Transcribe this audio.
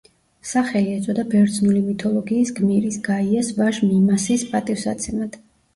სახელი ეწოდა ბერძნული მითოლოგიის გმირის, გაიას ვაჟ მიმასის პატივსაცემად.